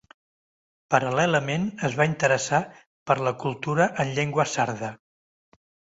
Paral·lelament es va interessar per la cultura en llengua sarda.